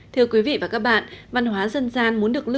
thưa quý vị và các bạn văn hóa dân gian muốn được lưu